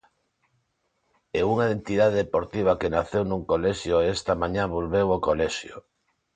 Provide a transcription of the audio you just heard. E unha entidade deportiva que naceu nun colexio e esta mañá volveu ao colexio.